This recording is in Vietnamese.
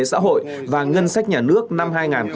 xã hội và ngân sách nhà nước năm hai nghìn hai mươi